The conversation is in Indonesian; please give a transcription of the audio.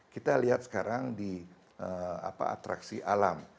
kita lihat sekarang di atraksi alam